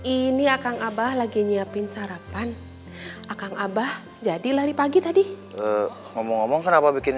ini akang abah lagi nyiapin sarapan akang abah jadi lari pagi tadi ngomong ngomong kenapa bikin